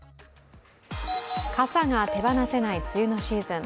傘が手放せない梅雨のシーズン。